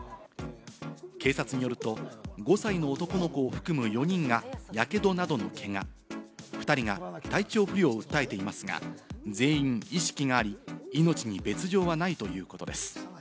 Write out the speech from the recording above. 警察によると、５歳の男の子を含む４人がやけどなどのけが、２人が体調不良を訴えていますが、全員意識があり、命に別条はないということです。